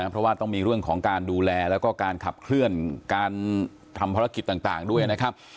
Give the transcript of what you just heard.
เพราะว่าต้องมีเรื่องของการดูแลแล้วก็การขับเคลื่อนการทำภารกิจต่างด้วยนะครับ